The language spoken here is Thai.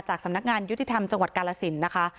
สำนักงานยุติธรรมจังหวัดกาลสินนะคะ